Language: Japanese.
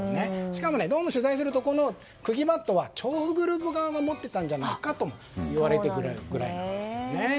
しかも、どうも取材すると釘バットは調布グループ側が持っていたんじゃないかともいわれてるくらいなんですね。